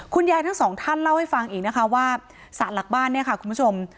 ทั้งสองท่านเล่าให้ฟังอีกนะคะว่าสารหลักบ้านเนี่ยค่ะคุณผู้ชม